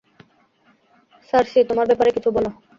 সার্সি, তোমার ব্যাপারে কিছু বলো।